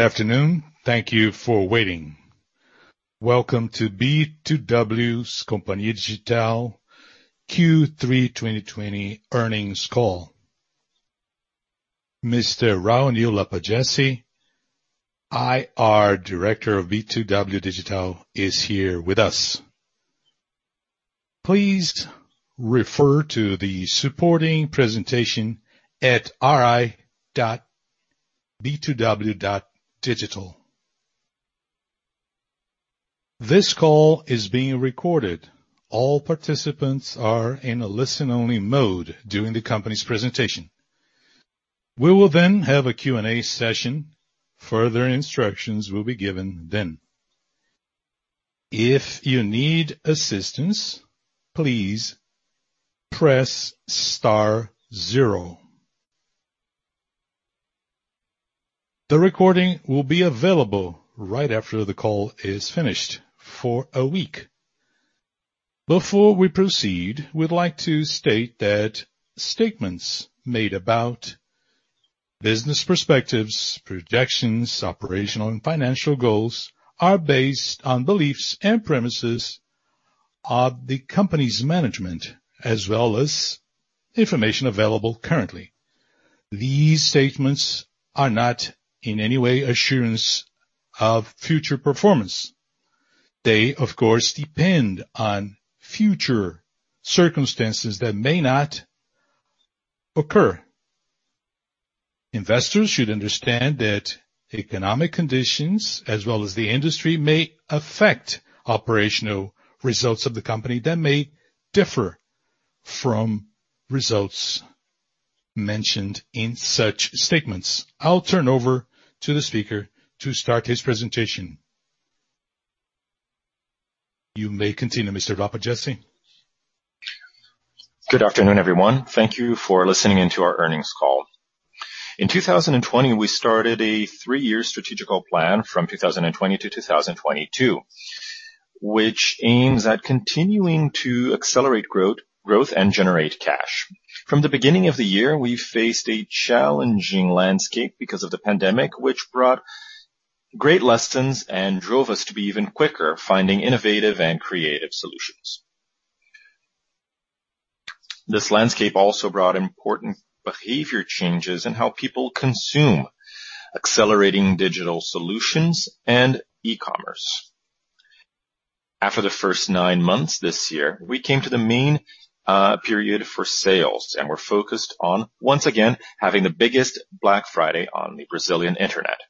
Good afternoon. Thank you for waiting. Welcome to B2W Companhia Digital Q3 2020 earnings call. Mr. Raoni Lapagesse, IR Director of B2W Digital, is here with us. Please refer to the supporting presentation at ri.b2w.digital. This call is being recorded. All participants are in a listen-only mode during the company's presentation. We will have a Q&A session. Further instructions will be given then. If you need assistance, please press star zero. The recording will be available right after the call is finished for a week. Before we proceed, we'd like to state that statements made about business perspectives, projections, operational and financial goals are based on beliefs and premises of the company's management as well as information available currently. These statements are not in any way assurance of future performance. They, of course, depend on future circumstances that may not occur. Investors should understand that economic conditions, as well as the industry, may affect operational results of the company that may differ from results mentioned in such statements. I'll turn over to the speaker to start his presentation. You may continue, Mr. Lapagesse. Good afternoon, everyone. Thank you for listening in to our earnings call. In 2020, we started a three-year strategical plan from 2020-2022, which aims at continuing to accelerate growth, and generate cash. From the beginning of the year, we faced a challenging landscape because of the pandemic, which brought great lessons and drove us to be even quicker finding innovative and creative solutions. This landscape also brought important behavior changes in how people consume, accelerating digital solutions and e-commerce. After the first nine months this year, we came to the main period for sales, and we're focused on, once again, having the biggest Black Friday on the Brazilian internet.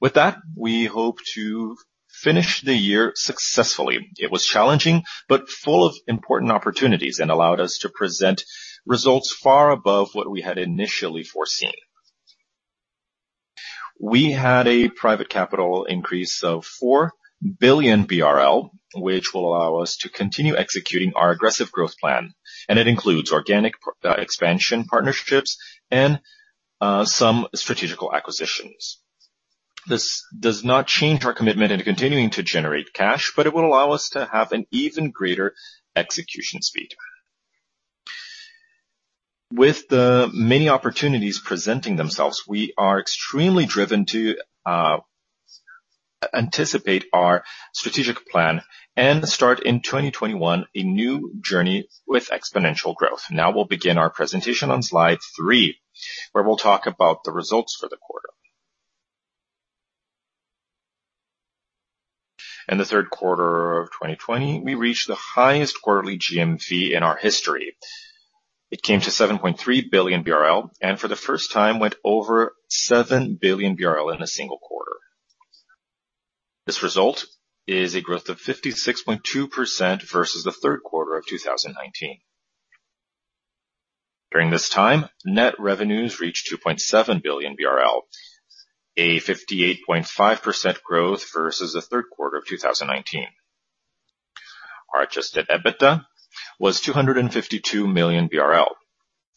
With that, we hope to finish the year successfully. It was challenging, but full of important opportunities and allowed us to present results far above what we had initially foreseen. We had a private capital increase of 4 billion BRL, which will allow us to continue executing our aggressive growth plan. It includes organic expansion partnerships and some strategic acquisitions. This does not change our commitment in continuing to generate cash. It will allow us to have an even greater execution speed. With the many opportunities presenting themselves, we are extremely driven to anticipate our strategic plan and start in 2021 a new journey with exponential growth. Now we'll begin our presentation on slide three, where we'll talk about the results for the quarter. In the third quarter of 2020, we reached the highest quarterly GMV in our history. It came to 7.3 billion BRL. For the first time went over 7 billion BRL in a single quarter. This result is a growth of 56.2% versus the third quarter of 2019. During this time, net revenues reached 2.7 billion BRL, a 58.5% growth versus the third quarter of 2019. Our adjusted EBITDA was 252 million BRL,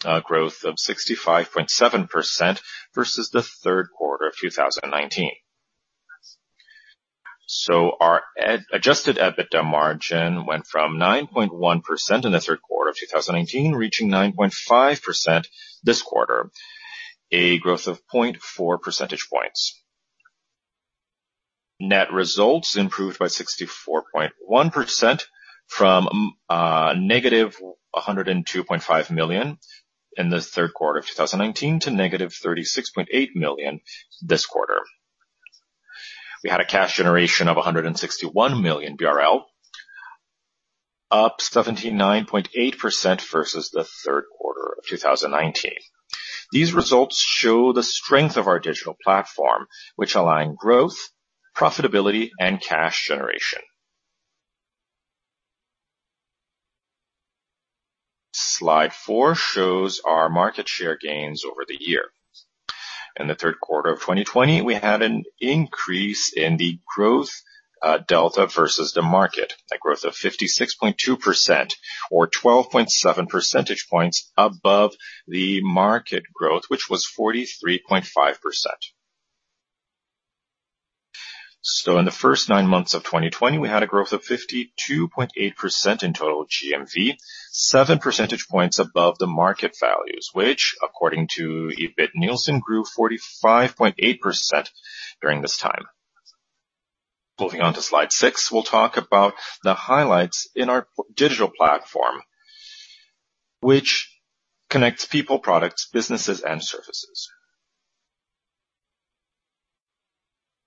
a growth of 65.7% versus the third quarter of 2019. Our adjusted EBITDA margin went from 9.1% in the third quarter of 2019, reaching 9.5% this quarter, a growth of 0.4 percentage points. Net results improved by 64.1% from -102.5 million in the third quarter of 2019 to -36.8 million this quarter. We had a cash generation of 161 million BRL, up 79.8% versus the third quarter of 2019. These results show the strength of our digital platform, which align growth, profitability, and cash generation. Slide four shows our market share gains over the year. In the third quarter of 2020, we had an increase in the growth delta versus the market, a growth of 56.2%, or 12.7 percentage points above the market growth, which was 43.5%. In the first nine months of 2020, we had a growth of 52.8% in total GMV, 7 percentage points above the market values, which according to Ebit|Nielsen, grew 45.8% during this time. Moving on to slide six, we'll talk about the highlights in our digital platform, which connects people, products, businesses, and services.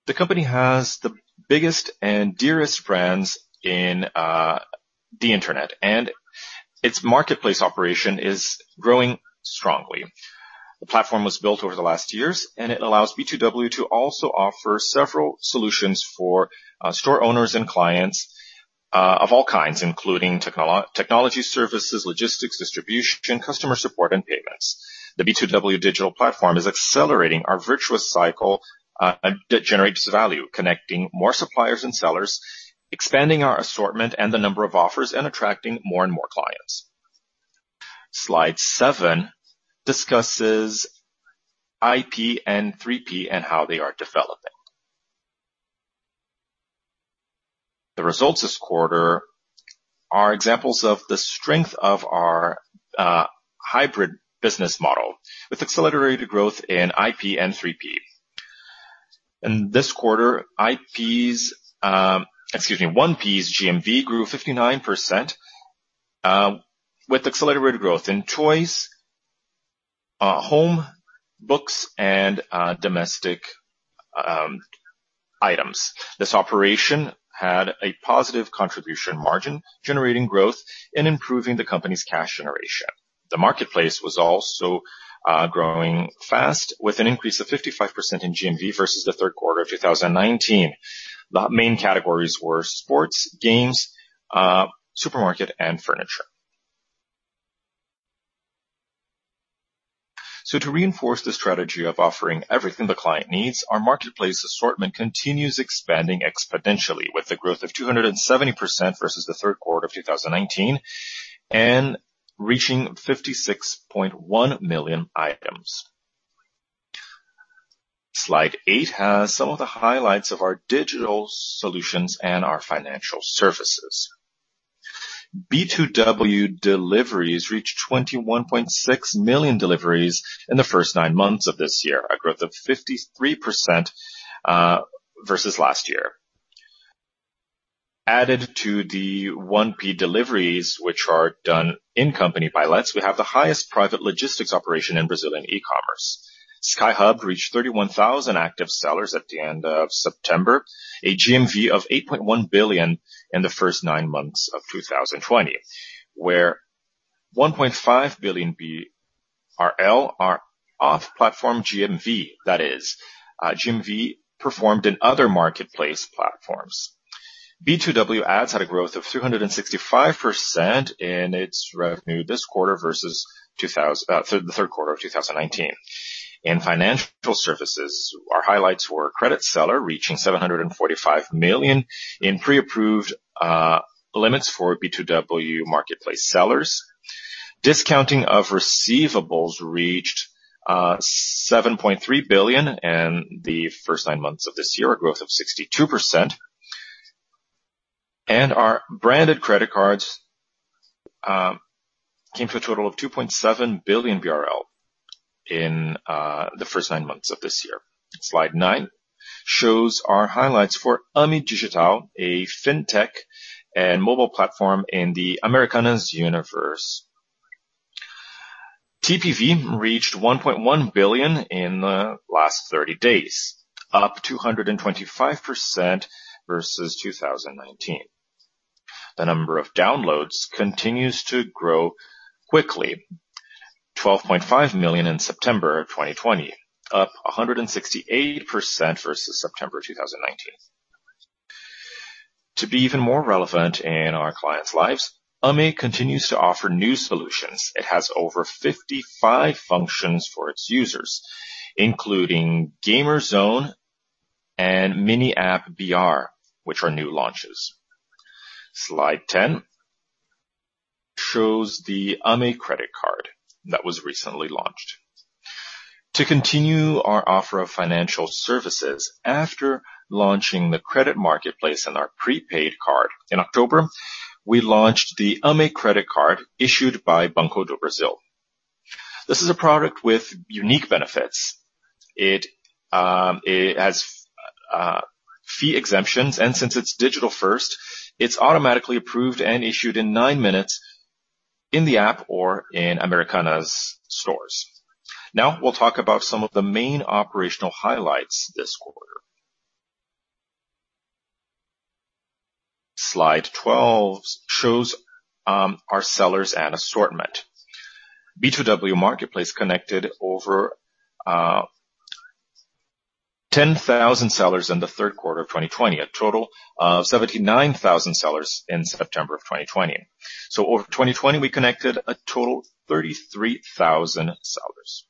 The company has the biggest and dearest brands in the internet, and its marketplace operation is growing strongly. The platform was built over the last years, and it allows B2W to also offer several solutions for store owners and clients of all kinds, including technology services, logistics, distribution, customer support, and payments. The B2W Digital platform is accelerating our virtuous cycle that generates value, connecting more suppliers and sellers, expanding our assortment and the number of offers, and attracting more and more clients. Slide seven discusses 1P and 3P and how they are developing. The results this quarter are examples of the strength of our hybrid business model with accelerated growth in 1P and 3P. In this quarter, 1P's GMV grew 59% with accelerated growth in toys, home, books, and domestic items. This operation had a positive contribution margin, generating growth and improving the company's cash generation. The marketplace was also growing fast, with an increase of 55% in GMV versus the third quarter of 2019. The main categories were sports, games, supermarket, and furniture. To reinforce the strategy of offering everything the client needs, our marketplace assortment continues expanding exponentially with a growth of 270% versus the third quarter of 2019 and reaching 56.1 million items. Slide eight has some of the highlights of our digital solutions and our financial services. B2W deliveries reached 21.6 million deliveries in the first nine months of this year, a growth of 53% versus last year. Added to the 1P deliveries which are done in company by Let's, we have the highest private logistics operation in Brazilian e-commerce. SkyHub reached 31,000 active sellers at the end of September, a GMV of 8.1 billion in the first nine months of 2020, where 1.5 billion BRL are off-platform GMV. That is, GMV performed in other marketplace platforms. B2W Ads had a growth of 365% in its revenue this quarter versus the third quarter of 2019. In financial services, our highlights were Crédito Seller reaching 745 million in pre-approved limits for B2W Marketplace sellers. Discounting of receivables reached 7.3 billion in the first nine months of this year, a growth of 62%. Our branded credit cards came to a total of 2.7 billion BRL in the first nine months of this year. slide nine shows our highlights for Ame Digital, a fintech and mobile platform in the Americanas universe. TPV reached 1.1 billion in the last 30 days, up 225% versus 2019. The number of downloads continues to grow quickly, 12.5 million in September of 2020, up 168% versus September 2019. To be even more relevant in our clients' lives, Ame continues to offer new solutions. It has over 55 functions for its users, including Gamer Zone and Mini App BR, which are new launches. Slide 10 shows the Ame credit card that was recently launched. To continue our offer of financial services, after launching the credit marketplace and our prepaid card in October, we launched the Ame credit card issued by Banco do Brasil. This is a product with unique benefits. It has fee exemptions, and since it's digital first, it's automatically approved and issued in nine minutes in the app or in Americanas stores. Now, we'll talk about some of the main operational highlights this quarter. Slide 12 shows our sellers and assortment. B2W Marketplace connected over 10,000 sellers in the third quarter of 2020. A total of 79,000 sellers in September of 2020. Over 2020, we connected a total of 33,000 sellers.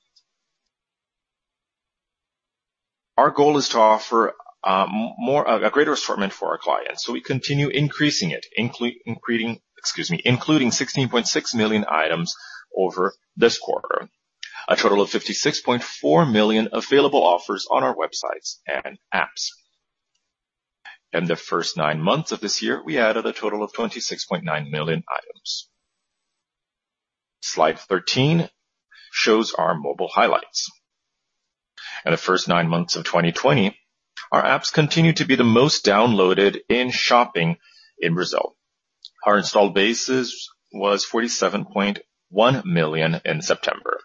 Our goal is to offer a greater assortment for our clients. We continue increasing it, including 16.6 million items over this quarter. A total of 56.4 million available offers on our websites and apps. In the first nine months of this year, we added a total of 26.9 million items. Slide 13 shows our mobile highlights. In the first nine months of 2020, our apps continued to be the most downloaded in shopping in Brazil. Our installed base was 47.1 million in September.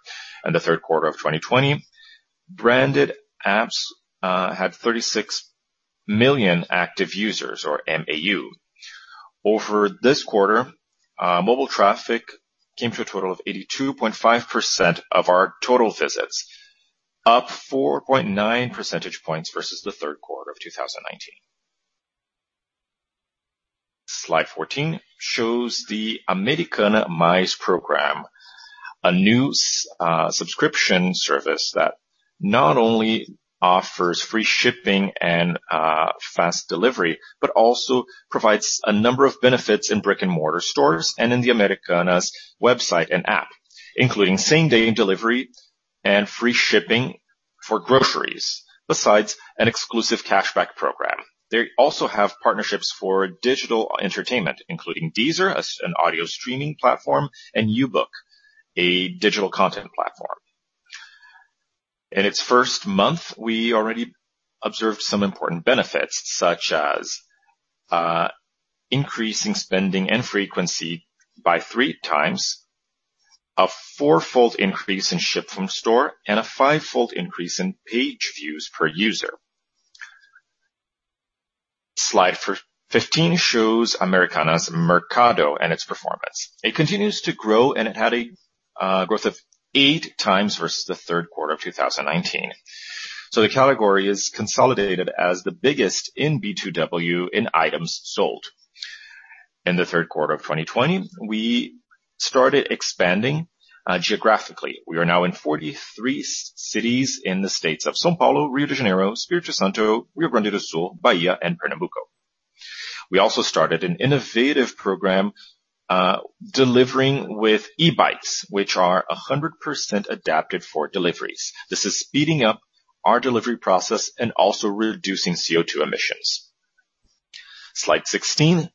In the third quarter of 2020, branded apps had 36 million active users or MAU. Over this quarter, mobile traffic came to a total of 82.5% of our total visits, up 4.9 percentage points versus the third quarter of 2019. Slide 14 shows the Americanas Mais program, a new subscription service that not only offers free shipping and fast delivery, but also provides a number of benefits in brick-and-mortar stores and in the Americanas website and app, including same-day delivery and free shipping for groceries, besides an exclusive cashback program. They also have partnerships for digital entertainment, including Deezer, an audio streaming platform, and Ubook, a digital content platform. In its first month, we already observed some important benefits, such as increasing spending and frequency by 3x, a fourfold increase in ship from store, and a fivefold increase in page views per user. Slide 15 shows Americanas Mercado and its performance. It continues to grow, and it had a growth of eight times versus the third quarter of 2019. The category is consolidated as the biggest in B2W in items sold. In the third quarter of 2020, we started expanding geographically. We are now in 43 cities in the states of São Paulo, Espírito Santo, Rio de Janeiro, Rio Grande do Sul, Bahia, and Pernambuco. We also started an innovative program, delivering with e-bikes, which are 100% adapted for deliveries. This is speeding up our delivery process and also reducing CO2 emissions. Slide 16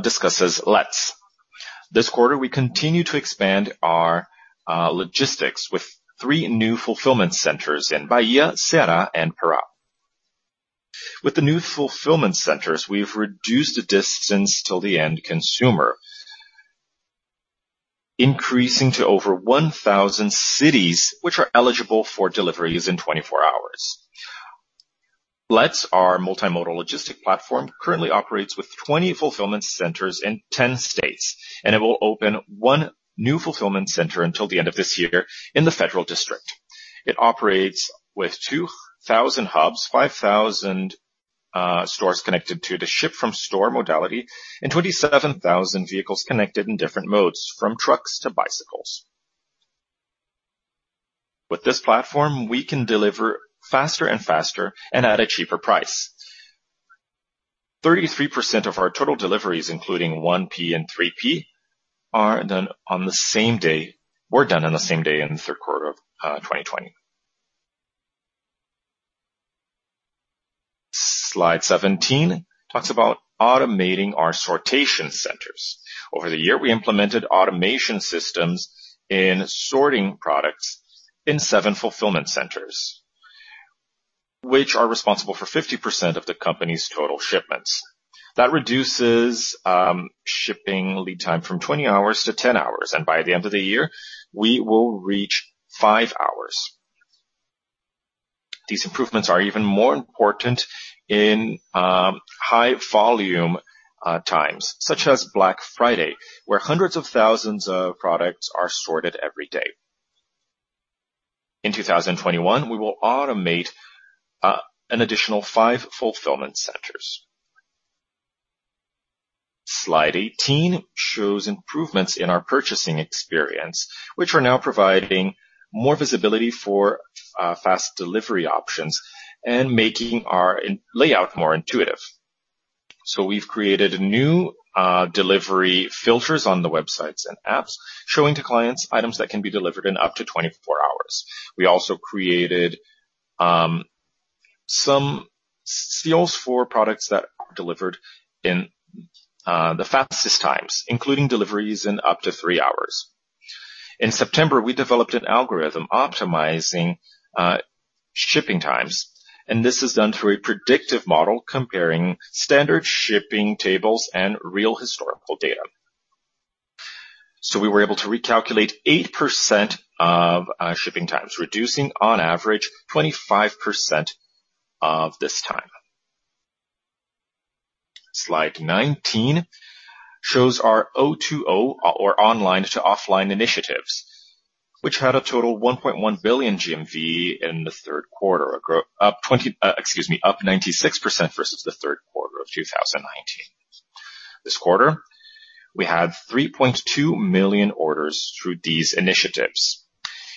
discusses Let's. This quarter, we continue to expand our logistics with three new fulfillment centers in Bahia, Ceará, and Pará. With the new fulfillment centers, we've reduced the distance till the end consumer, increasing to over 1,000 cities, which are eligible for deliveries in 24 hours. Let's, our multimodal logistic platform, currently operates with 20 fulfillment centers in 10 states, and it will open one new fulfillment center until the end of this year in the Federal District. It operates with 2,000 hubs, 5,000 stores connected to the ship from store modality, and 27,000 vehicles connected in different modes from trucks to bicycles. With this platform, we can deliver faster and faster and at a cheaper price. 33% of our total deliveries, including 1P and 3P, were done on the same day in the third quarter of 2020. Slide 17 talks about automating our sortation centers. Over the year, we implemented automation systems in sorting products in seven fulfillment centers, which are responsible for 50% of the company's total shipments. That reduces shipping lead time from 20 hours to 10 hours, and by the end of the year, we will reach five hours. These improvements are even more important in high volume times, such as Black Friday, where hundreds of thousands of products are sorted every day. In 2021, we will automate an additional five fulfillment centers. Slide 18 shows improvements in our purchasing experience, which are now providing more visibility for fast delivery options and making our layout more intuitive. We've created new delivery filters on the websites and apps, showing to clients items that can be delivered in up to 24 hours. We also created some seals for products that are delivered in the fastest times, including deliveries in up to three hours. In September, we developed an algorithm optimizing shipping times, and this is done through a predictive model comparing standard shipping tables and real historical data. We were able to recalculate 8% of shipping times, reducing on average 25% of this time. Slide 19 shows our O2O or online to offline initiatives, which had a total 1.1 billion GMV in the third quarter, up 96% versus the third quarter of 2019. This quarter, we had 3.2 million orders through these initiatives,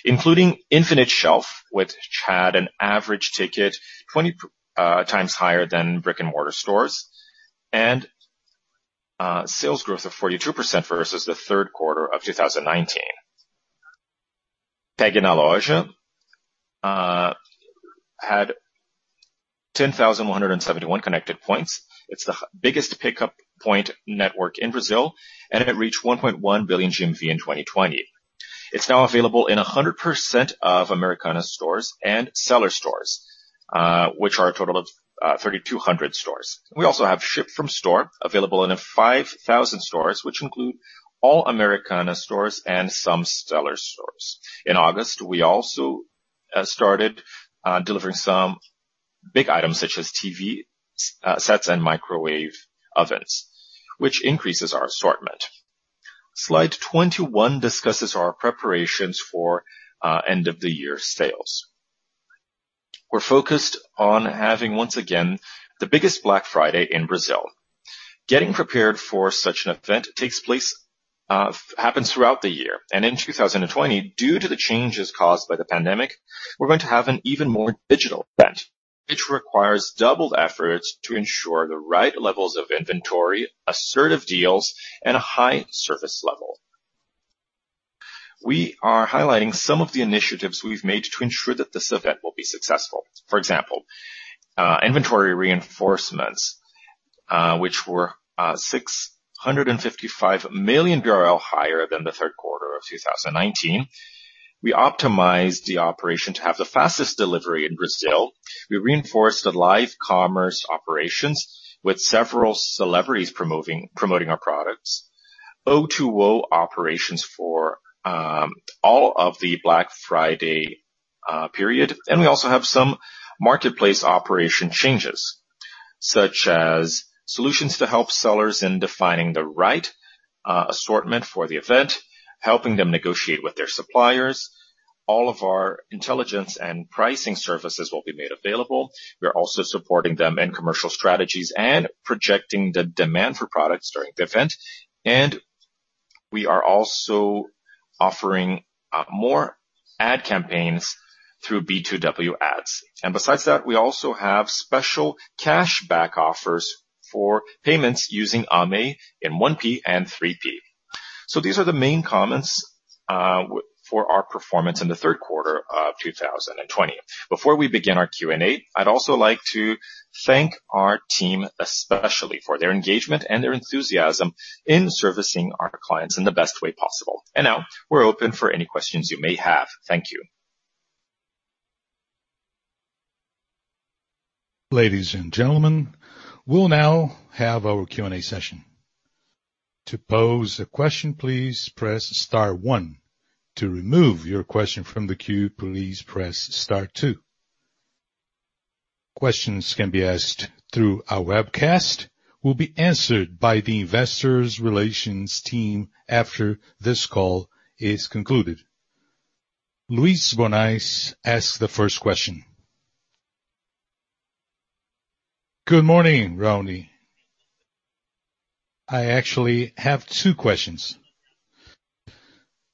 including Infinite Shelf, which had an average ticket 20 times higher than brick-and-mortar stores and sales growth of 42% versus the third quarter of 2019. Pegue na Loja had 10,171 connected points. It's the biggest pickup point network in Brazil, and it reached 1.1 billion GMV in 2020. It's now available in 100% of Americanas stores and seller stores, which are a total of 3,200 stores. We also have Ship from Store available in 5,000 stores, which include all Americanas stores and some seller stores. In August, we also started delivering some big items such as TV sets and microwave ovens, which increases our assortment. Slide 21 discusses our preparations for end-of-the-year sales. We're focused on having, once again, the biggest Black Friday in Brazil. Getting prepared for such an event happens throughout the year. In 2020, due to the changes caused by the pandemic, we're going to have an even more digital event, which requires doubled efforts to ensure the right levels of inventory, assertive deals, and a high service level. We are highlighting some of the initiatives we've made to ensure that this event will be successful. For example, inventory reinforcements, which were 655 million higher than the third quarter of 2019. We optimized the operation to have the fastest delivery in Brazil. We reinforced the live commerce operations with several celebrities promoting our products. O2O operations for all of the Black Friday period. We also have some marketplace operation changes, such as solutions to help sellers in defining the right assortment for the event, helping them negotiate with their suppliers. All of our intelligence and pricing services will be made available. We are also supporting them in commercial strategies and projecting the demand for products during the event. We are also offering more ad campaigns through B2W Ads. Besides that, we also have special cashback offers for payments using Ame in 1P and 3P. These are the main comments for our performance in the third quarter of 2020. Before we begin our Q&A, I'd also like to thank our team, especially for their engagement and their enthusiasm in servicing our clients in the best way possible. Now we're open for any questions you may have. Thank you. Ladies and gentlemen, we will now have our Q&A session. To post a question please press star one. To move your question from the queue, please press star two. Questions can be asked through our webcast will be answered by the Investor Relations team after this call is concluded. Luiz Guanais asks the first question. Good morning, Raoni. I actually have two questions.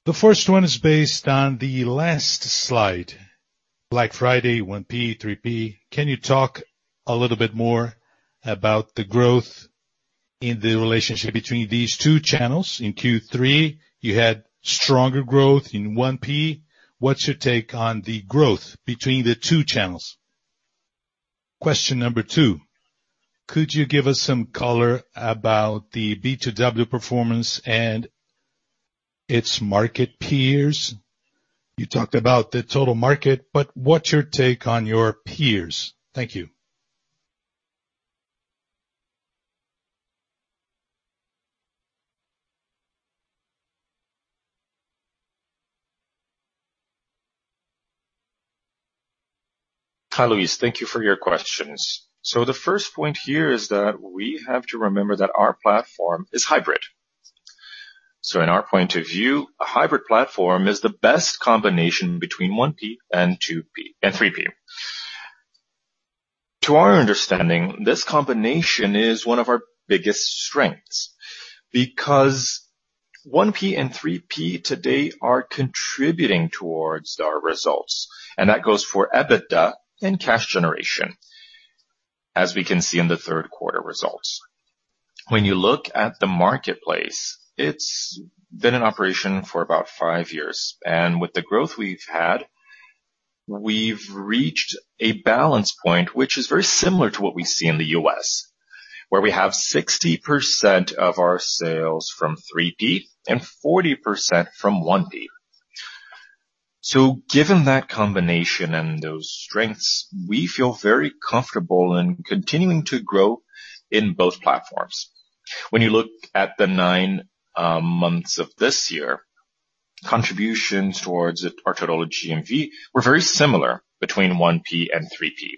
The first one is based on the last slide, Black Friday 1P, 3P. Can you talk a little bit more about the growth in the relationship between these two channels? In Q3, you had stronger growth in 1P. What's your take on the growth between the two channels? Question number two, could you give us some color about the B2W performance and its market peers? You talked about the total market, but what's your take on your peers? Thank you. Hi, Luiz. Thank you for your questions. The first point here is that we have to remember that our platform is hybrid. In our point of view, a hybrid platform is the best combination between 1P and 2P and 3P. To our understanding, this combination is one of our biggest strengths because 1P and 3P today are contributing towards our results, and that goes for EBITDA and cash generation, as we can see in the third quarter results. When you look at the marketplace, it's been in operation for about five years. With the growth we've had, we've reached a balance point, which is very similar to what we see in the U.S., where we have 60% of our sales from 3P and 40% from 1P. Given that combination and those strengths, we feel very comfortable in continuing to grow in both platforms. When you look at the nine months of this year, contributions towards our total GMV were very similar between 1P and 3P.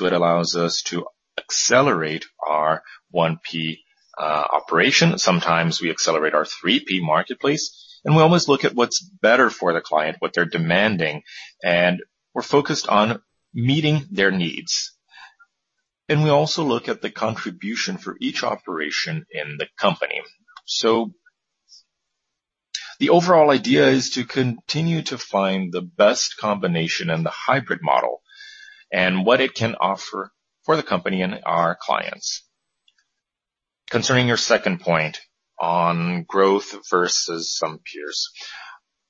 It allows us to accelerate our 1P operation. Sometimes we accelerate our 3P marketplace. We always look at what's better for the client, what they're demanding, and we're focused on meeting their needs. We also look at the contribution for each operation in the company. The overall idea is to continue to find the best combination in the hybrid model and what it can offer for the company and our clients. Concerning your second point on growth versus some peers,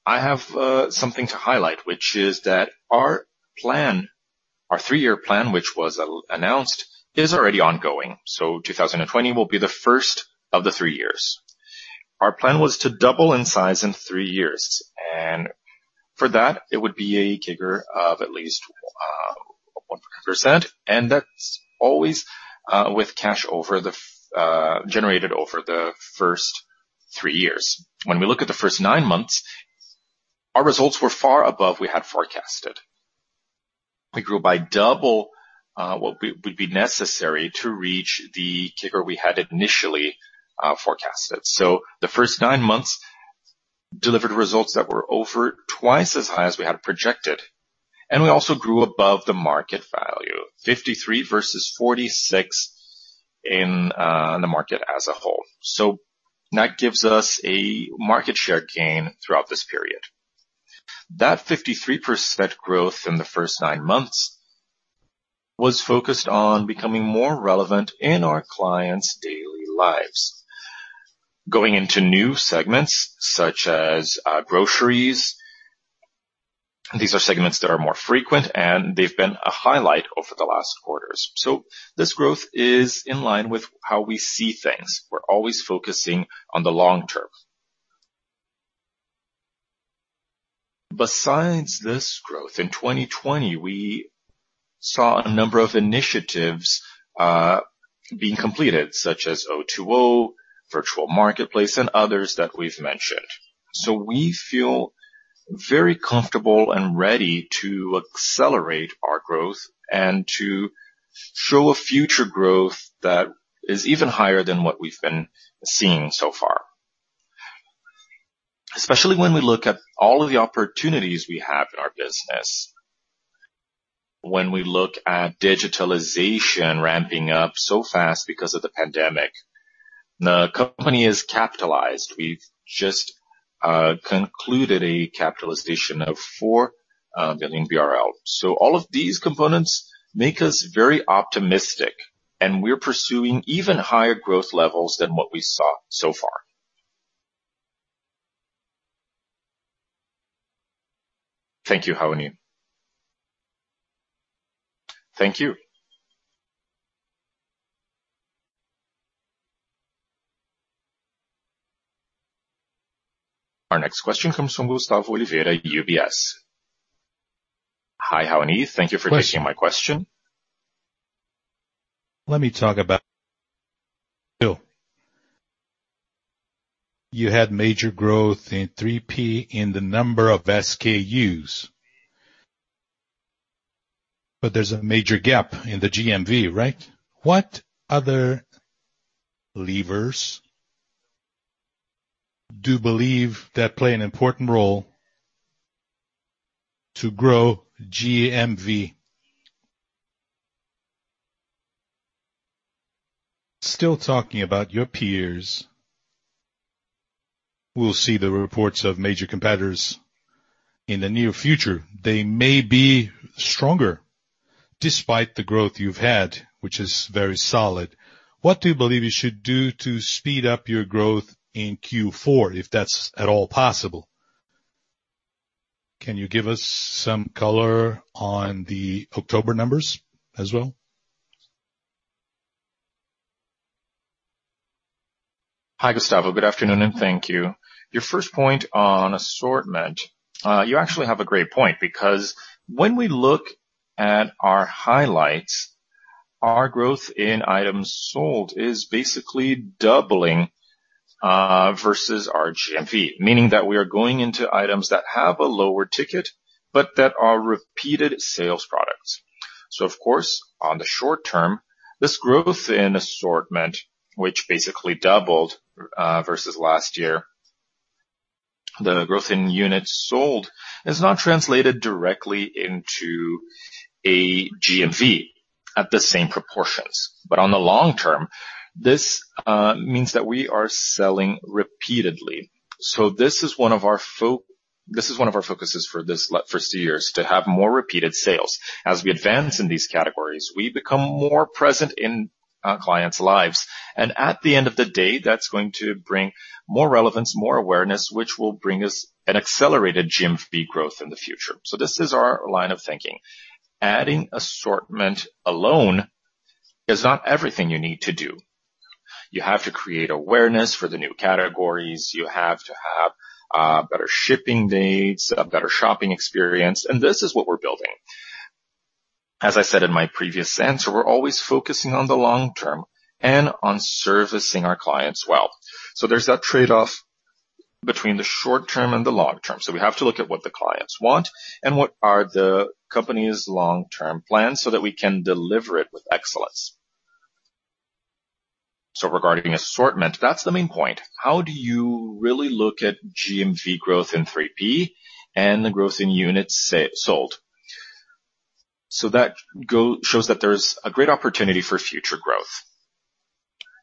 I have something to highlight, which is that our three-year plan, which was announced, is already ongoing. 2020 will be the first of the three years. Our plan was to double in size in three years. For that, it would be a CAGR of at least 1% and that's always with cash generated over the first three years. When we look at the first nine months, our results were far above we had forecasted. We grew by double what would be necessary to reach the CAGR we had initially forecasted. The first nine months delivered results that were over twice as high as we had projected, and we also grew above the market value, 53% versus 46% in the market as a whole. That gives us a market share gain throughout this period. That 53% growth in the first nine months was focused on becoming more relevant in our clients' daily lives, going into new segments such as groceries. These are segments that are more frequent, and they've been a highlight over the last quarters. This growth is in line with how we see things. We're always focusing on the long term. Besides this growth, in 2020, we saw a number of initiatives being completed, such as O2O, virtual marketplace, and others that we've mentioned. We feel very comfortable and ready to accelerate our growth and to show a future growth that is even higher than what we've been seeing so far. Especially when we look at all of the opportunities we have in our business. When we look at digitalization ramping up so fast because of the pandemic, the company is capitalized. We've just concluded a capitalization of 4 billion BRL. All of these components make us very optimistic, and we're pursuing even higher growth levels than what we saw so far. Thank you, Raoni. Thank you. Our next question comes from Gustavo Oliveira, UBS. Hi, Raoni. Thank you for taking my question. Let me talk about you had major growth in 3P in the number of SKUs, but there's a major gap in the GMV, right? What other levers do you believe play an important role to grow GMV? Still talking about your peers, we'll see the reports of major competitors in the near future. They may be stronger despite the growth you've had, which is very solid. What do you believe you should do to speed up your growth in Q4, if that's at all possible? Can you give us some color on the October numbers as well? Hi, Gustavo. Good afternoon, and thank you. Your first point on assortment. You actually have a great point, because when we look at our highlights, our growth in items sold is basically doubling versus our GMV. Meaning that we are going into items that have a lower ticket, but that are repeated sales products. Of course, on the short term, this growth in assortment, which basically doubled versus last year, the growth in units sold is not translated directly into a GMV at the same proportions. On the long term, this means that we are selling repeatedly. This is one of our focuses for these first years, to have more repeated sales. As we advance in these categories, we become more present in our clients' lives. At the end of the day, that's going to bring more relevance, more awareness, which will bring us an accelerated GMV growth in the future. This is our line of thinking. Adding assortment alone is not everything you need to do. You have to create awareness for the new categories. You have to have better shipping dates, a better shopping experience, and this is what we're building. As I said in my previous answer, we're always focusing on the long term and on servicing our clients well. There's that trade-off between the short term and the long term. We have to look at what the clients want and what are the company's long-term plans so that we can deliver it with excellence. Regarding assortment, that's the main point. How do you really look at GMV growth in 3P and the growth in units sold? That shows that there's a great opportunity for future growth.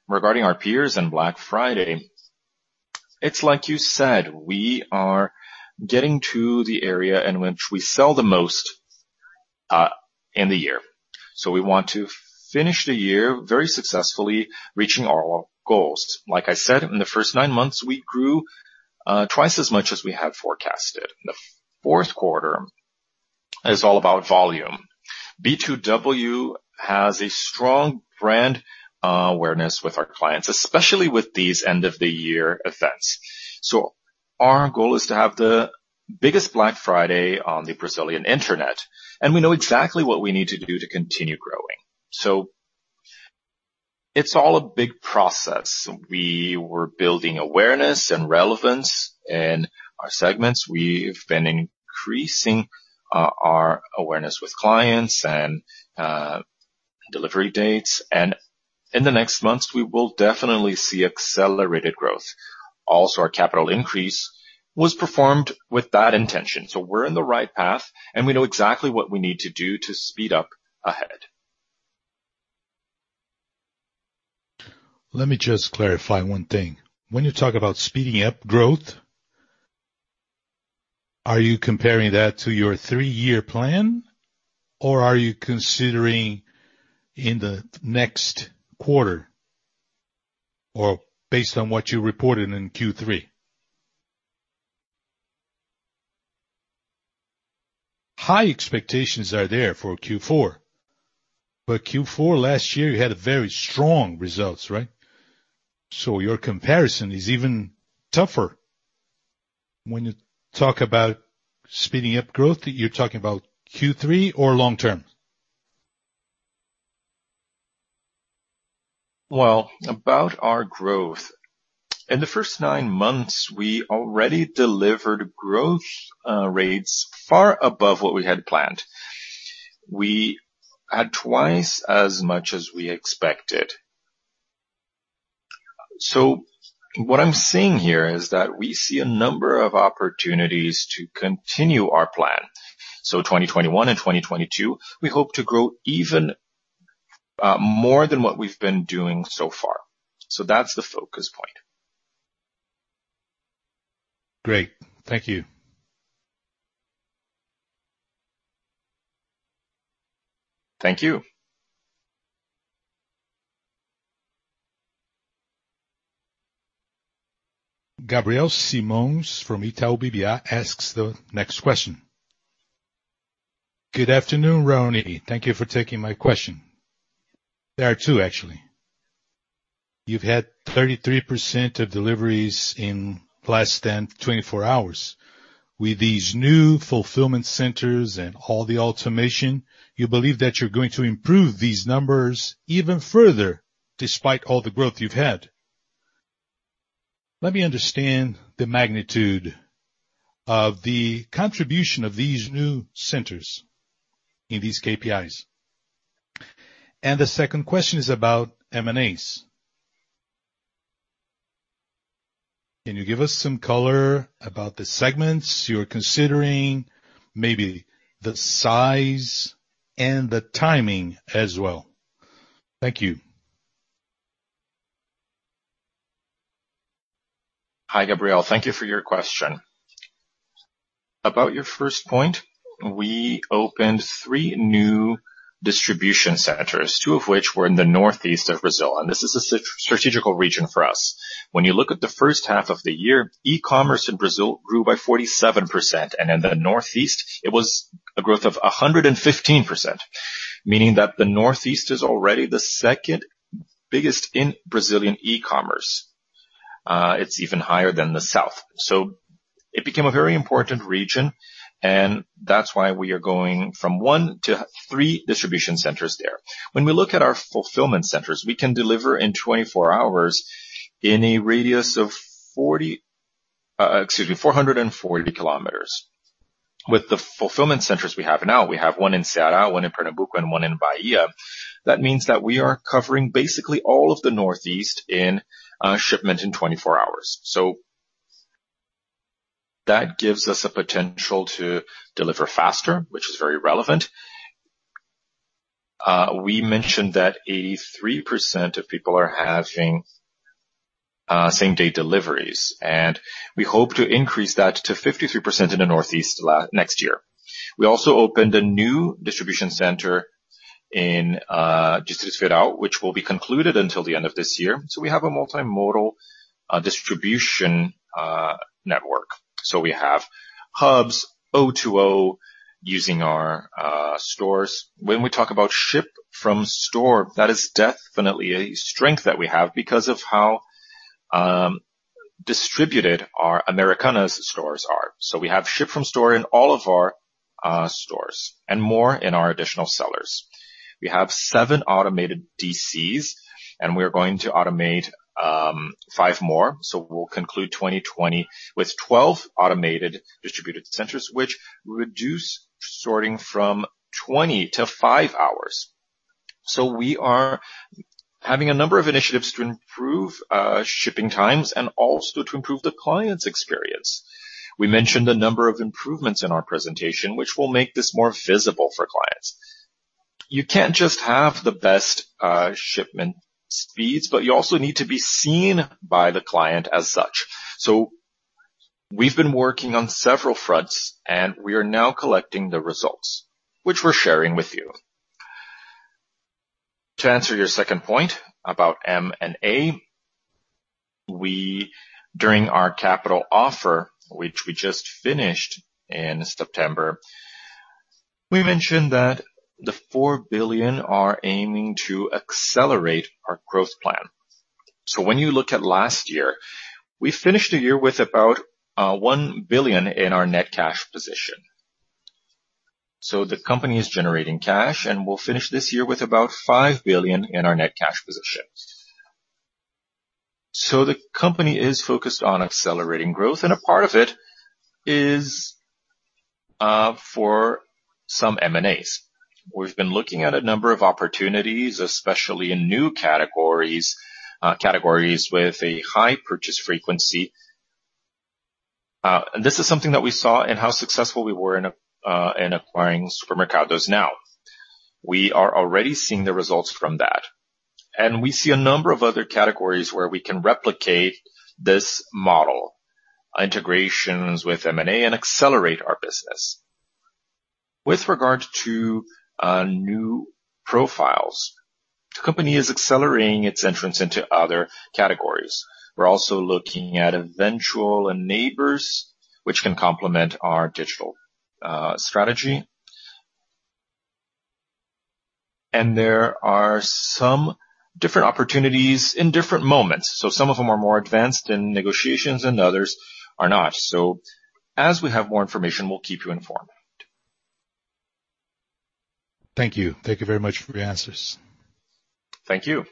Regarding our peers and Black Friday, it's like you said, we are getting to the area in which we sell the most in the year. We want to finish the year very successfully reaching our goals. Like I said, in the first nine months, we grew twice as much as we had forecasted. The fourth quarter is all about volume. B2W has a strong brand awareness with our clients, especially with these end-of-the-year events. Our goal is to have the biggest Black Friday on the Brazilian internet, and we know exactly what we need to do to continue growing. It's all a big process. We were building awareness and relevance in our segments. We've been increasing our awareness with clients and delivery dates, and in the next months, we will definitely see accelerated growth. Our capital increase was performed with that intention. We're in the right path, and we know exactly what we need to do to speed up ahead. Let me just clarify one thing. When you talk about speeding up growth, are you comparing that to your three-year plan, or are you considering in the next quarter, or based on what you reported in Q3? High expectations are there for Q4 last year, you had a very strong results, right? Your comparison is even tougher. When you talk about speeding up growth, you're talking about Q3 or long-term? Well, about our growth. In the first nine months, we already delivered growth rates far above what we had planned. We had twice as much as we expected. What I'm saying here is that we see a number of opportunities to continue our plan. 2021 and 2022, we hope to grow even more than what we've been doing so far. That's the focus point. Great. Thank you. Thank you. Gabriel Simões from Itaú BBA asks the next question. Good afternoon, Raoni. Thank you for taking my question. There are two, actually. You've had 33% of deliveries in less than 24 hours. With these new fulfillment centers and all the automation, you believe that you're going to improve these numbers even further, despite all the growth you've had. Let me understand the magnitude of the contribution of these new centers in these KPIs. The second question is about M&As. Can you give us some color about the segments you're considering, maybe the size and the timing as well? Thank you. Hi, Gabriel. Thank you for your question. About your first point, we opened three new distribution centers, two of which were in the Northeast of Brazil. This is a strategic region for us. When you look at the first half of the year, e-commerce in Brazil grew by 47%. In the Northeast, it was a growth of 115%, meaning that the Northeast is already the second biggest in Brazilian e-commerce. It's even higher than the South. It became a very important region. That's why we are going from one to three distribution centers there. When we look at our fulfillment centers, we can deliver in 24 hours in a radius of 440 km. With the fulfillment centers we have now, we have one in Ceará, one in Pernambuco, and one in Bahia. That means that we are covering basically all of the northeast in shipment in 24 hours. That gives us a potential to deliver faster, which is very relevant. We mentioned that 33% of people are having same-day deliveries, and we hope to increase that to 53% in the Northeast next year. We also opened a new distribution center in Juiz de Fora, which will be concluded until the end of this year. We have a multimodal distribution network. We have hubs O2O using our stores. When we talk about ship from store, that is definitely a strength that we have because of how distributed our Americanas stores are. We have ship from store in all of our stores and more in our additional sellers. We have seven automated DCs, and we are going to automate five more. We'll conclude 2020 with 12 automated distribution centers, which reduce sorting from 20 to 5 hours. We are having a number of initiatives to improve shipping times and also to improve the client's experience. We mentioned a number of improvements in our presentation, which will make this more visible for clients. You can't just have the best shipment speeds, but you also need to be seen by the client as such. We've been working on several fronts, and we are now collecting the results, which we're sharing with you. To answer your second point about M&A, during our capital offer, which we just finished in September, we mentioned that the 4 billion are aiming to accelerate our growth plan. When you look at last year, we finished the year with about 1 billion in our net cash position. The company is generating cash, and we'll finish this year with about 5 billion in our net cash position. The company is focused on accelerating growth, and a part of it is for some M&As. We've been looking at a number of opportunities, especially in new categories with a high purchase frequency. This is something that we saw in how successful we were in acquiring Supermercado Now. We are already seeing the results from that. We see a number of other categories where we can replicate this model, integrations with M&A and accelerate our business. With regard to new profiles, the company is accelerating its entrance into other categories. We're also looking at eventual enablers, which can complement our digital strategy. There are some different opportunities in different moments. Some of them are more advanced in negotiations and others are not. As we have more information, we'll keep you informed. Thank you. Thank you very much for your answers. Thank you.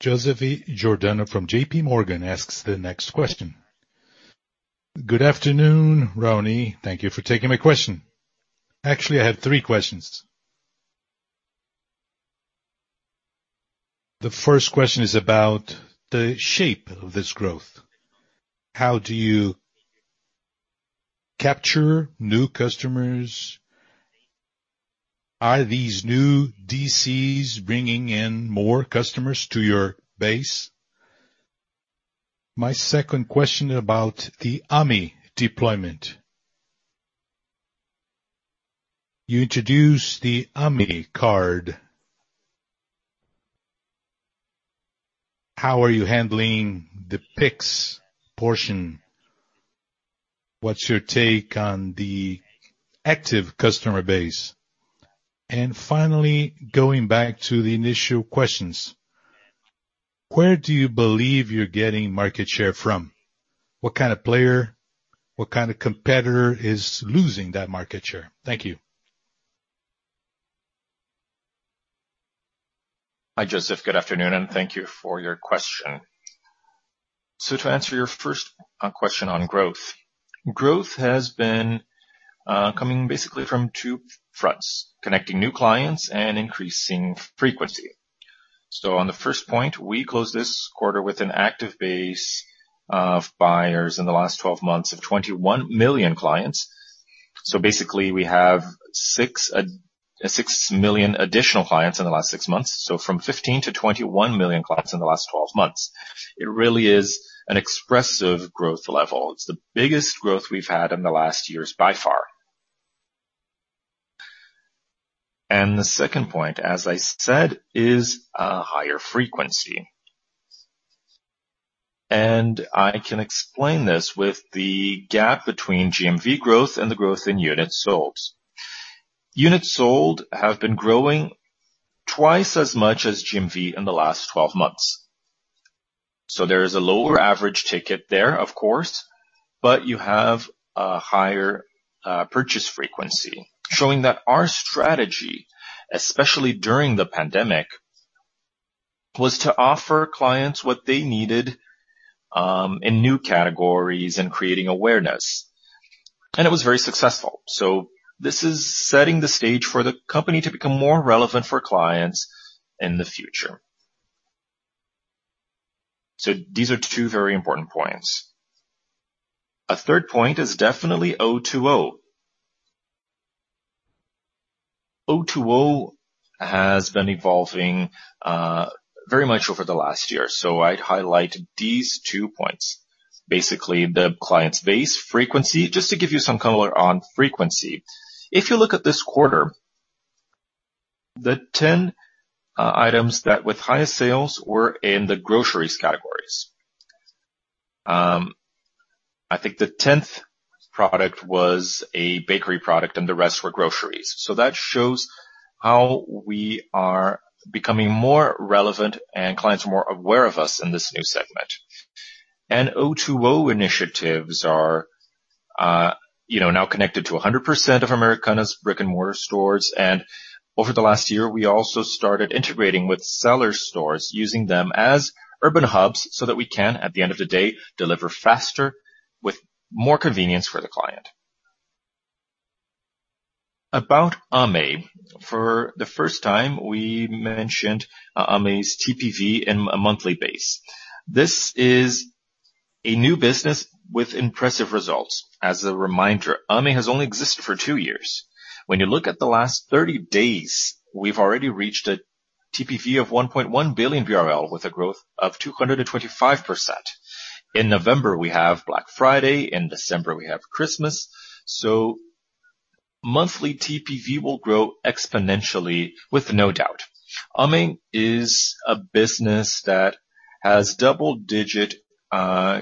Joseph Giordano from JPMorgan asks the next question. Good afternoon, Raoni. Thank you for taking my question. Actually, I have three questions. The first question is about the shape of this growth. How do you capture new customers? Are these new DCs bringing in more customers to your base? My second question about the Ame deployment. You introduced the Ame card. How are you handling the Pix portion? What's your take on the active customer base? Finally, going back to the initial questions, where do you believe you're getting market share from? What kind of player, what kind of competitor is losing that market share? Thank you. Hi, Joseph. Good afternoon, and thank you for your question. To answer your first question on growth. Growth has been coming basically from two fronts, connecting new clients and increasing frequency. On the first point, we closed this quarter with an active base of buyers in the last 12 months of 21 million clients. Basically, we have 6 million additional clients in the last six months. From 15 million-21 million clients in the last 12 months. It really is an expressive growth level. It's the biggest growth we've had in the last years by far. The second point, as I said, is higher frequency. I can explain this with the gap between GMV growth and the growth in units sold. Units sold have been growing twice as much as GMV in the last 12 months. There is a lower average ticket there, of course, but you have a higher purchase frequency, showing that our strategy, especially during the pandemic, was to offer clients what they needed in new categories and creating awareness. It was very successful. This is setting the stage for the company to become more relevant for clients in the future. These are two very important points. A third point is definitely O2O. O2O has been evolving very much over the last year. I'd highlight these two points. Basically, the client's base frequency. Just to give you some color on frequency. If you look at this quarter, the 10 items that with highest sales were in the groceries categories. I think the tenth product was a bakery product and the rest were groceries. That shows how we are becoming more relevant and clients are more aware of us in this new segment. O2O initiatives are now connected to 100% of Americanas brick-and-mortar stores. Over the last year, we also started integrating with seller stores, using them as urban hubs so that we can, at the end of the day, deliver faster with more convenience for the client. About Ame, for the first time, we mentioned Ame's TPV in a monthly base. This is a new business with impressive results. As a reminder, Ame has only existed for two years. When you look at the last 30 days, we've already reached a TPV of 1.1 billion BRL with a growth of 225%. In November, we have Black Friday, in December, we have Christmas. Monthly TPV will grow exponentially with no doubt. Ame is a business that has double-digit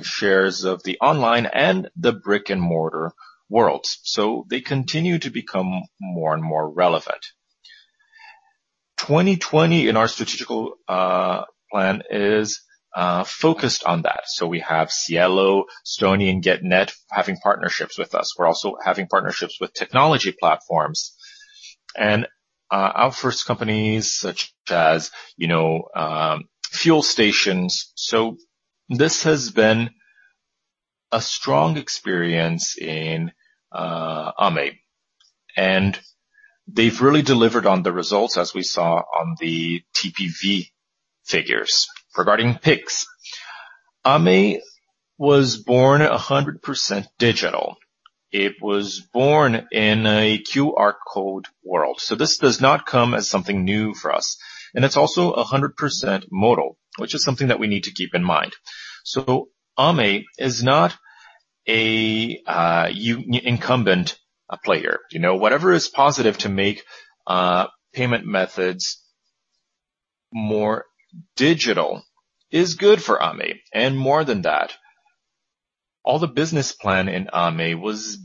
shares of the online and the brick-and-mortar worlds. They continue to become more and more relevant. 2020 in our strategical plan is focused on that. We have Cielo, Stone and Getnet having partnerships with us. We're also having partnerships with technology platforms. Our first companies, such as fuel stations. This has been a strong experience in Ame, and they've really delivered on the results, as we saw on the TPV figures. Regarding Pix, Ame was born 100% digital. It was born in a QR code world. This does not come as something new for us. It's also 100% modal, which is something that we need to keep in mind. Ame is not a incumbent player. Whatever is positive to make payment methods more digital is good for Ame. More than that, all the business plan in Ame was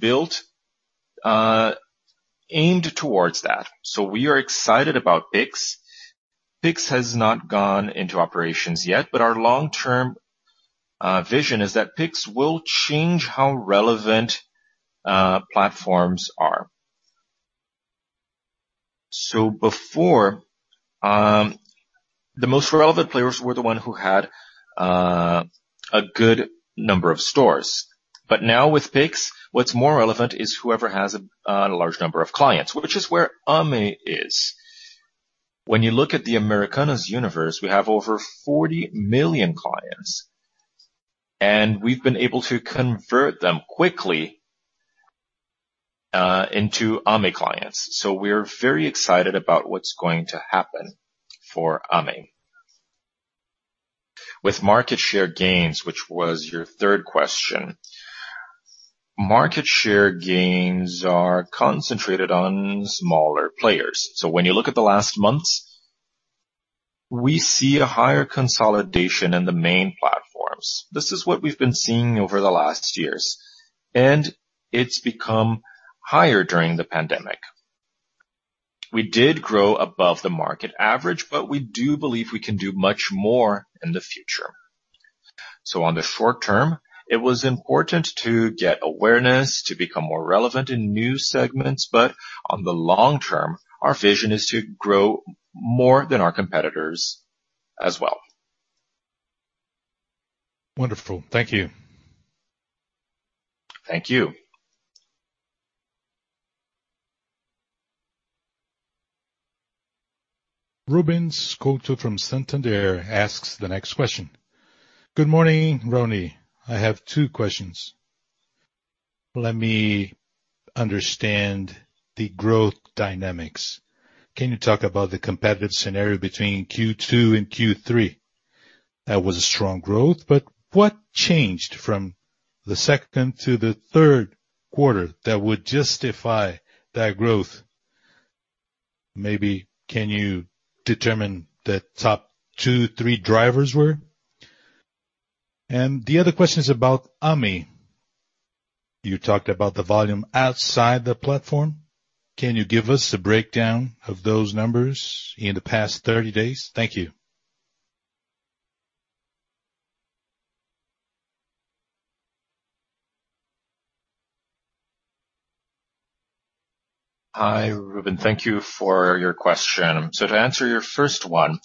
aimed towards that. We are excited about Pix. Pix has not gone into operations yet, but our long-term vision is that Pix will change how relevant platforms are. Before, the most relevant players were the one who had a good number of stores. Now with Pix, what's more relevant is whoever has a large number of clients, which is where Ame is. When you look at the Americanas universe, we have over 40 million clients, and we've been able to convert them quickly into Ame clients. We're very excited about what's going to happen for Ame. With market share gains, which was your third question. Market share gains are concentrated on smaller players. When you look at the last months, we see a higher consolidation in the main platforms. This is what we've been seeing over the last years, and it's become higher during the pandemic. We did grow above the market average, but we do believe we can do much more in the future. On the short term, it was important to get awareness, to become more relevant in new segments, but on the long term, our vision is to grow more than our competitors as well. Wonderful. Thank you. Thank you. Ruben Couto from Santander asks the next question. Good morning, Raoni. I have two questions. Let me understand the growth dynamics. Can you talk about the competitive scenario between Q2 and Q3? That was a strong growth, but what changed from the second to the third quarter that would justify that growth? Maybe can you determine the top two, three drivers were? The other question is about Ame. You talked about the volume outside the platform. Can you give us a breakdown of those numbers in the past 30 days? Thank you. Hi, Ruben. Thank you for your question. To answer your first one,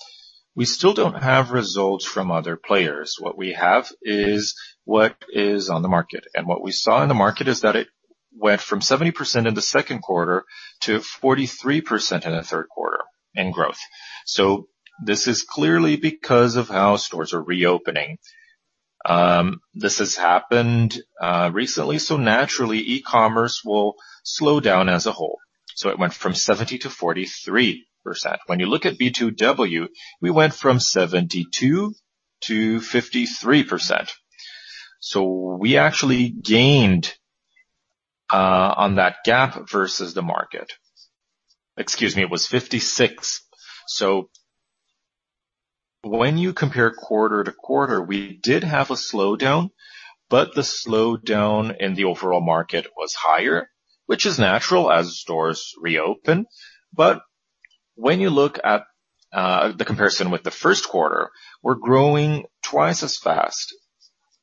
we still don't have results from other players. What we have is what is on the market. What we saw in the market is that it went from 70% in the second quarter to 43% in the third quarter in growth. This is clearly because of how stores are reopening. This has happened recently, so naturally, e-commerce will slow down as a whole. It went from 70% to 43%. When you look at B2W, we went from 72% to 53%. We actually gained on that gap versus the market. Excuse me, it was 56%. When you compare quarter-to-quarter, we did have a slowdown, but the slowdown in the overall market was higher, which is natural as stores reopen. When you look at the comparison with the first quarter, we're growing twice as fast,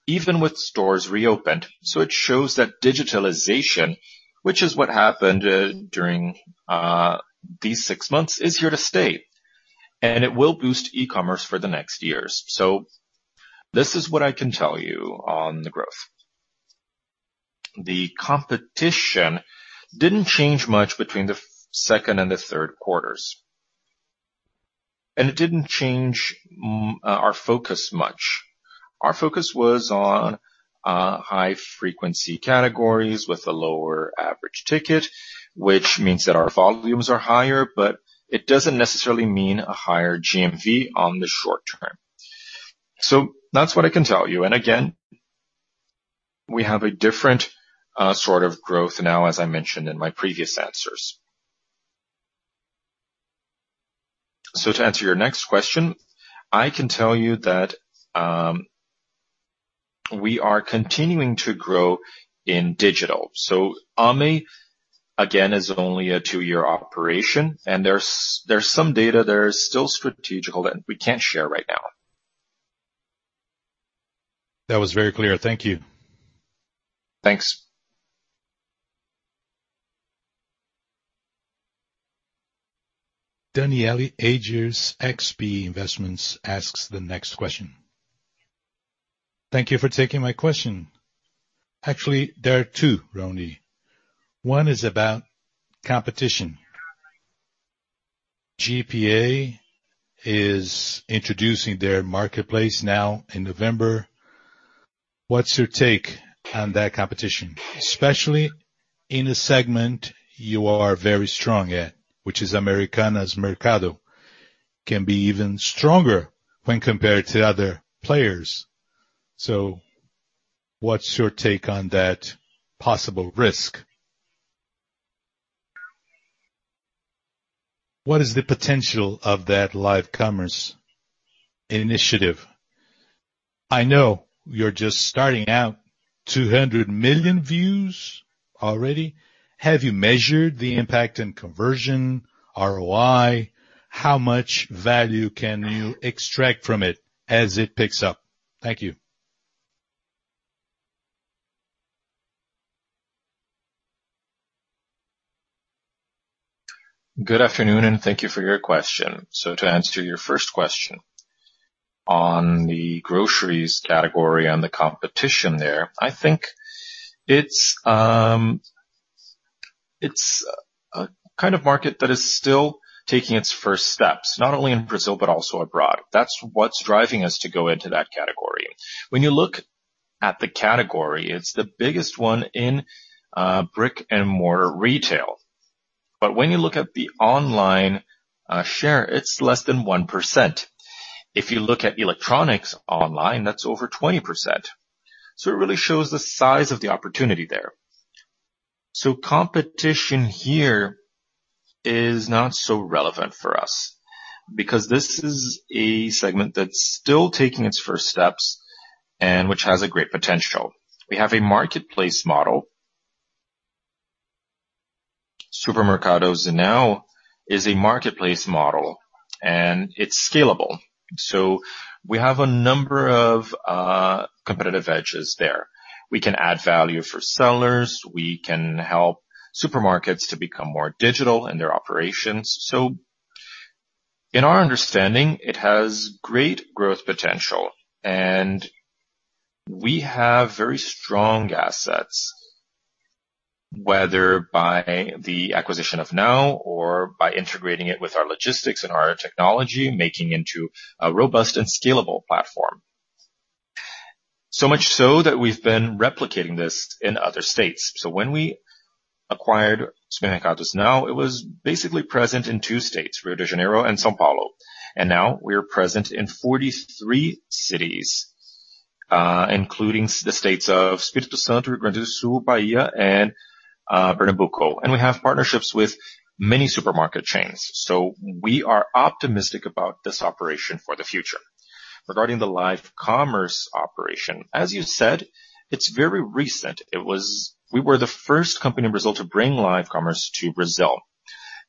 even with stores reopened. It shows that digitalization, which is what happened during these six months, is here to stay, and it will boost e-commerce for the next years. This is what I can tell you on the growth. The competition didn't change much between the second and the third quarters, and it didn't change our focus much. Our focus was on high-frequency categories with a lower average ticket, which means that our volumes are higher, but it doesn't necessarily mean a higher GMV on the short term. That's what I can tell you. Again, we have a different sort of growth now, as I mentioned in my previous answers. To answer your next question, I can tell you that we are continuing to grow in digital. Ame, again, is only a two-year operation, and there's some data there is still strategic that we can't share right now. That was very clear. Thank you. Thanks. Thank you for taking my question. Actually, there are two, Raoni. One is about competition. GPA is introducing their marketplace now in November. What's your take on that competition, especially in a segment you are very strong at, which is Americanas Mercado, can be even stronger when compared to other players. What's your take on that possible risk? What is the potential of that live commerce initiative? I know you're just starting out, 200 million views already. Have you measured the impact in conversion, ROI? How much value can you extract from it as it picks up? Thank you. Good afternoon, thank you for your question. To answer your first question on the groceries category and the competition there, I think it's a kind of market that is still taking its first steps, not only in Brazil but also abroad. That's what's driving us to go into that category. When you look at the category, it's the biggest one in brick-and-mortar retail. When you look at the online share, it's less than 1%. If you look at electronics online, that's over 20%. It really shows the size of the opportunity there. Competition here is not so relevant for us because this is a segment that's still taking its first steps and which has a great potential. We have a marketplace model. Supermercado Now is a marketplace model, and it's scalable. We have a number of competitive edges there. We can add value for sellers. We can help supermarkets to become more digital in their operations. In our understanding, it has great growth potential, and we have very strong assets, whether by the acquisition of Supermercado Now or by integrating it with our logistics and our technology, making into a robust and scalable platform. Much so that we've been replicating this in other states. When we acquired Supermercado Now, it was basically present in two states, Rio de Janeiro and São Paulo. Now we are present in 43 cities, including the states of Espírito Santo, Rio Grande do Sul, Bahia, and Pernambuco. We have partnerships with many supermarket chains. We are optimistic about this operation for the future. Regarding the live commerce operation, as you said, it's very recent. We were the first company in Brazil to bring live commerce to Brazil.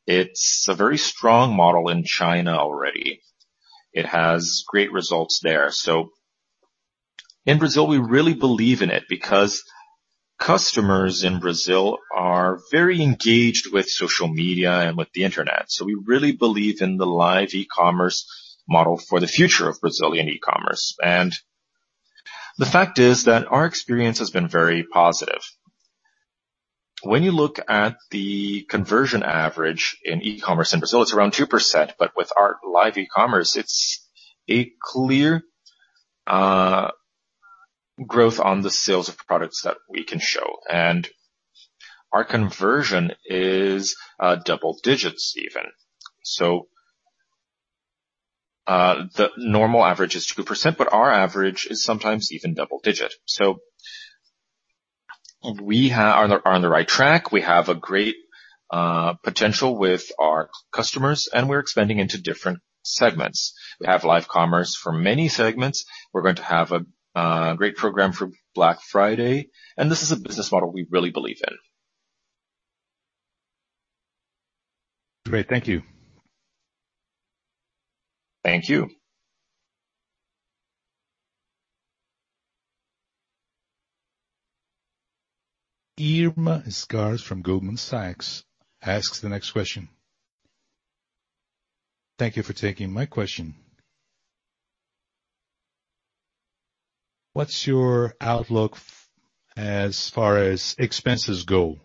It's a very strong model in China already. It has great results there. In Brazil, we really believe in it because customers in Brazil are very engaged with social media and with the Internet. We really believe in the live e-commerce model for the future of Brazilian e-commerce. The fact is that our experience has been very positive. When you look at the conversion average in e-commerce in Brazil, it's around 2%, but with our live e-commerce, it's a clear growth on the sales of products that we can show. Our conversion is double digits even. The normal average is 2%, but our average is sometimes even double digit. We are on the right track. We have a great potential with our customers, and we're expanding into different segments. We have live commerce for many segments. We're going to have a great program for Black Friday, and this is a business model we really believe in. Great. Thank you. Thank you. Irma Sgarz from Goldman Sachs asks the next question. Thank you for taking my question. What's your outlook as far as expenses go?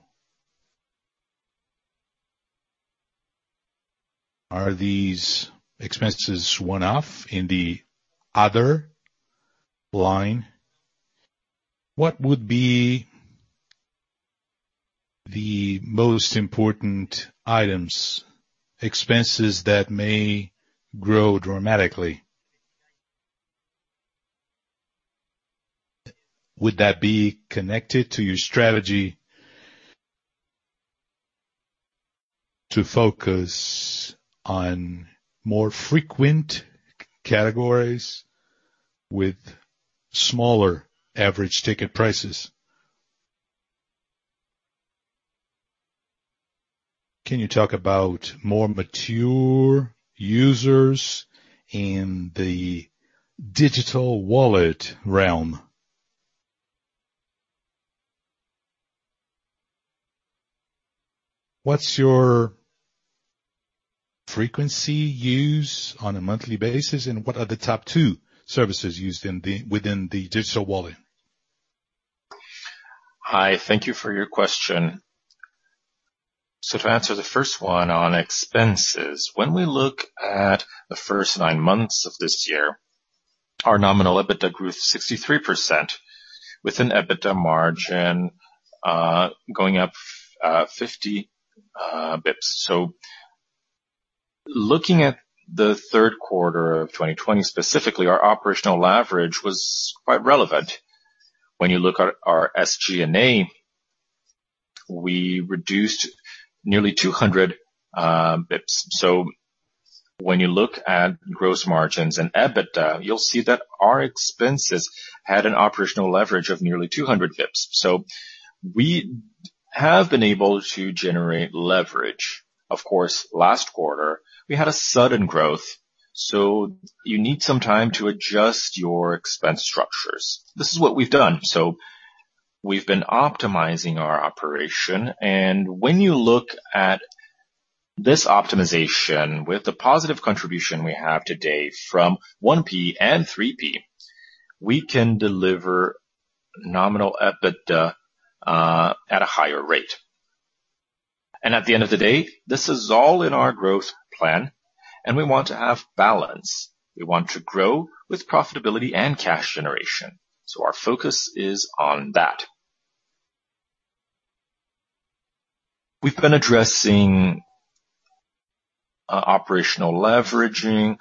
Are these expenses one-off in the other line? What would be the most important items, expenses that may grow dramatically? Would that be connected to your strategy to focus on more frequent categories with smaller average ticket prices? Can you talk about more mature users in the digital wallet realm? What's your frequency use on a monthly basis, and what are the top two services used within the digital wallet? Hi. Thank you for your question. To answer the first one on expenses, when we look at the first nine months of this year, our nominal EBITDA grew 63% with an EBITDA margin going up 50 basis points. Looking at the third quarter of 2020, specifically, our operational leverage was quite relevant. When you look at our SG&A, we reduced nearly 200 basis points. When you look at gross margins and EBITDA, you'll see that our expenses had an operational leverage of nearly 200 basis points. We have been able to generate leverage. Of course, last quarter, we had a sudden growth, so you need some time to adjust your expense structures. This is what we've done. We've been optimizing our operation, and when you look at this optimization with the positive contribution we have today from 1P and 3P, we can deliver nominal EBITDA at a higher rate. At the end of the day, this is all in our growth plan, and we want to have balance. We want to grow with profitability and cash generation. Our focus is on that. We've been addressing operational leveraging,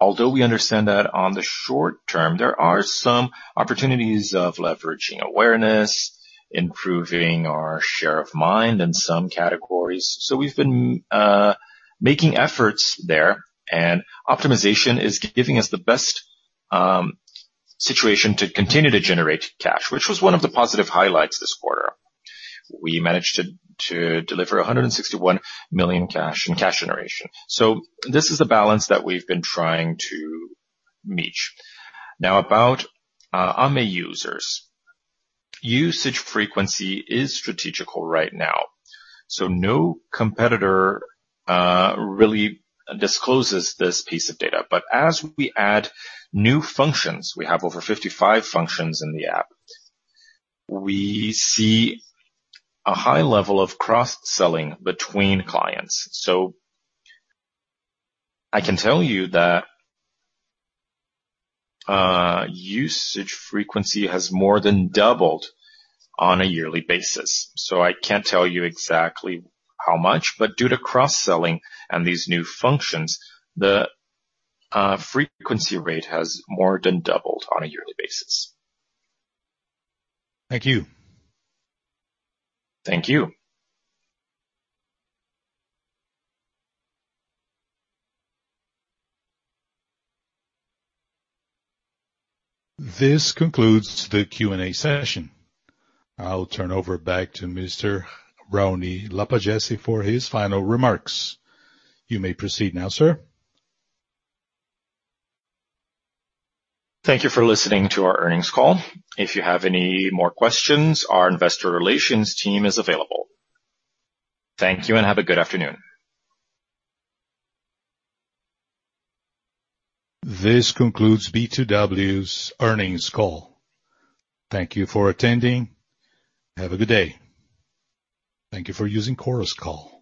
although we understand that in the short term, there are some opportunities of leveraging awareness, improving our share of mind in some categories. We've been making efforts there, and optimization is giving us the best situation to continue to generate cash, which was one of the positive highlights this quarter. We managed to deliver 161 million cash in cash generation. This is the balance that we've been trying to reach. Now, about Ame users. Usage frequency is strategic right now, so no competitor really discloses this piece of data. As we add new functions, we have over 55 functions in the app, we see a high level of cross-selling between clients. I can tell you that usage frequency has more than doubled on a yearly basis. I can't tell you exactly how much, but due to cross-selling and these new functions, the frequency rate has more than doubled on a yearly basis. Thank you. Thank you. This concludes the Q&A session. I'll turn over back to Mr. Raoni Lapagesse for his final remarks. You may proceed now, sir. Thank you for listening to our earnings call. If you have any more questions, our Investor Relations team is available. Thank you, and have a good afternoon. This concludes B2W's earnings call. Thank you for attending. Have a good day. Thank you for using Chorus Call.